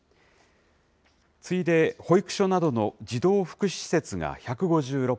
次いで保育所など児童福祉施設が１５６件。